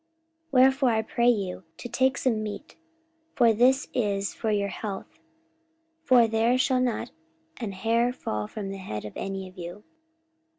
44:027:034 Wherefore I pray you to take some meat: for this is for your health: for there shall not an hair fall from the head of any of you.